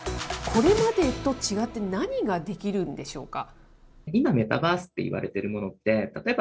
これまでと違って、何ができるんでしょうか。